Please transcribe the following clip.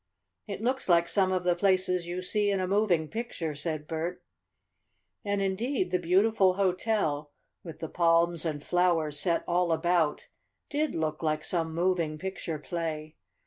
"It looks like some of the places you see in a moving picture," said Bert. And indeed the beautiful hotel, with the palms and flowers set all about, did look like some moving picture play.